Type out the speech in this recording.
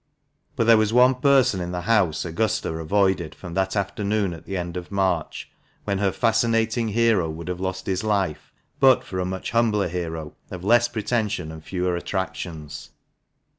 But there was one person in the house Augusta avoided from that afternoon at the end of March, when her fascinating hero would have lost his life but for a much humbler hero, of less pretension and fewer attractions.